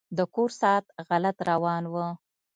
د کور ساعت غلط روان و.